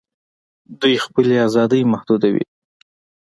دوی خپلي آزادۍ محدودوي